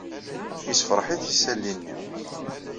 Yessefṛeḥ-it yisali-nni.